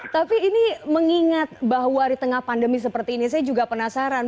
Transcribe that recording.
tapi ini mengingat bahwa di tengah pandemi seperti ini saya juga penasaran